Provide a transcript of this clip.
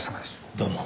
どうも。